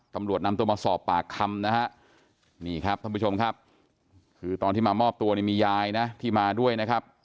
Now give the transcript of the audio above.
ตำรวจนำตัวมาสอบปากคำนะฮะนี่ครับท่านผู้ชมครับคือตอนที่มามอบตัวเนี่ยมียายนะที่มาด้วยนะครับ